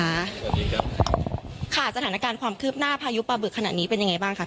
สวัสดีครับค่ะสถานการณ์ความคืบหน้าพายุปลาบึกขนาดนี้เป็นยังไงบ้างคะ